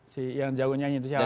si yang jauh nyanyi itu siapa